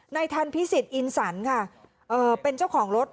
ในทัณฑ์พิสิตอินสันเป็นเจ้าของรถ